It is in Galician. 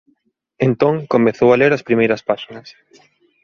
Entón comezou a ler as primeiras páxinas.